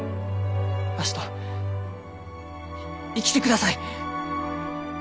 わしと生きてください！